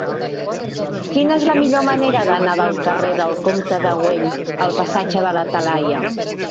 Quina és la millor manera d'anar del carrer del Comte de Güell al passatge de la Talaia?